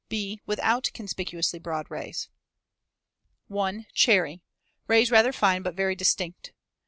(b) Without conspicuously broad rays. 1. Cherry. Rays rather fine but very distinct.